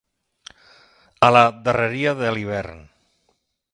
A la darreria de l'hivern.